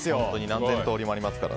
何千通りもありますから。